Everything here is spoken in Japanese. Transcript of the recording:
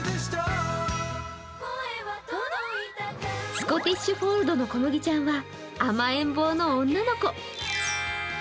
スコティッシュホールドのこむぎちゃんは、甘えん坊の女の子。